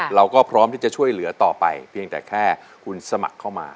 เราก็พร้อมที่จะช่วยเหลือต่อไปเพียงแต่แค่คุณสมัครเข้ามา